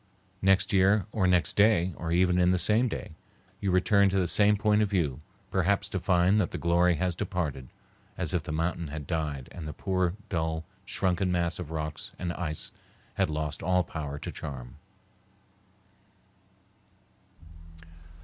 Next year or next day, or even in the same day, you return to the same point of view, perhaps to find that the glory has departed, as if the mountain had died and the poor dull, shrunken mass of rocks and ice had lost all power to charm.